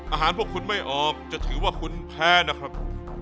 หากพวกคุณไม่ออกจะถือว่าคุณแพ้นะครับ